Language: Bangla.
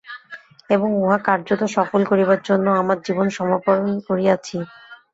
এবং উহা কার্যত সফল করিবার জন্য আমার জীবন সমর্পণ করিয়াছি।